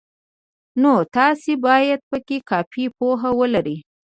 نو تاسې باید پکې کافي پوهه ولرئ.